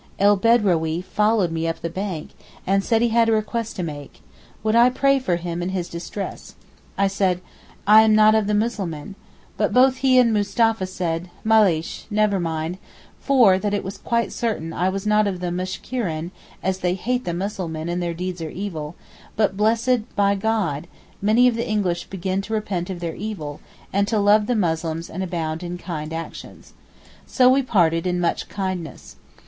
El Bedrawee followed me up the bank, and said he had a request to make—would I pray for him in his distress. I said, 'I am not of the Muslimeen,' but both he and Mustapha said, Maleysh (never mind), for that it was quite certain I was not of the Mushkireen, as they hate the Muslimeen and their deeds are evil—but blessed be God, many of the English begin to repent of their evil, and to love the Muslims and abound in kind actions. So we parted in much kindness.